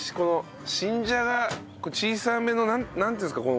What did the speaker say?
新じゃが小さめのなんていうんですか？